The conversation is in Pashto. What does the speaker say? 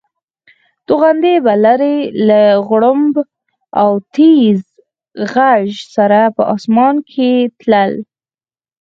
توغندي به لرې له غړومب او تېز غږ سره په اسمان کې تلل.